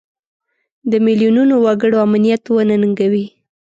د میلیونونو وګړو امنیت وننګوي.